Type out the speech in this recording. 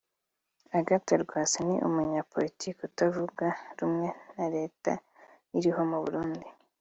Agathon Rwasa ni umunyapolitiki utavuga rumwe na Leta iriho mu Burundi